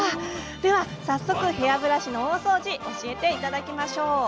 では早速ヘアブラシの大掃除教えていただきましょう。